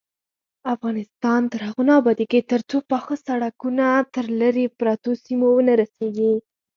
افغانستان تر هغو نه ابادیږي، ترڅو پاخه سړکونه تر لیرې پرتو سیمو ونه رسیږي.